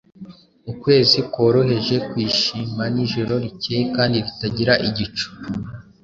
Ukwezi kworoheje kwishima nijoro rikeye kandi ritagira igicu,